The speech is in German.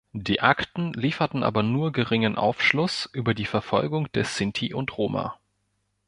Die Akten lieferten aber nur geringen Aufschluss über die Verfolgung der Sinti und Roma.